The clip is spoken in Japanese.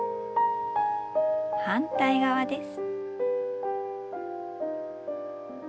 反対側です。